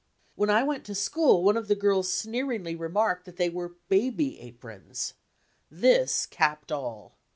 When I went to school one of the girls sneeringly remarked that they were haby aprons. This capped all!